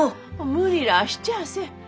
無理らあしちゃあせん。